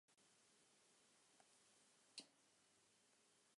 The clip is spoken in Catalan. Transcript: Per un tres i no res.